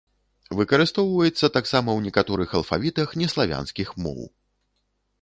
Выкарыстоўваецца таксама ў некаторых алфавітах неславянскіх моў.